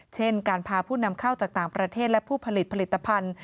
เช่นการพาผู้นำเข้าจากต่างประเทศและผู้ผลิตผลิตภัณฑ์